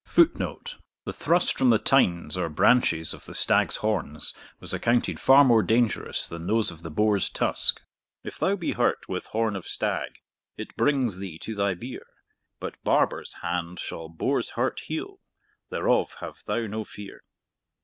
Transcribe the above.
[Footnote: The thrust from the tynes, or branches, of the stag's horns was accounted far more dangerous than those of the boar's tusk: If thou be hurt with horn of stag, it brings thee to thy bier, But barber's hand shall boar's hurt heal, thereof have thou no fear.